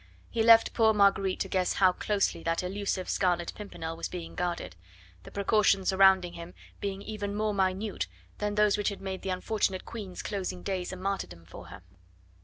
He left poor Marguerite to guess how closely that elusive Scarlet Pimpernel was being guarded, the precautions surrounding him being even more minute than those which had made the unfortunate Queen's closing days a martyrdom for her.